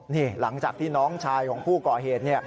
นี่หลังจากที่น้องชายของผู้ก่อเหตุ